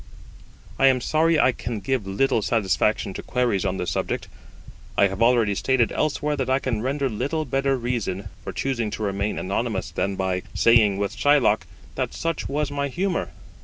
I am sorry I can give little satisfaction to queries on this subject. I have already stated elsewhere that I can render little better reason for choosing to remain anonymous than by saying with Shylock, that such was my humour.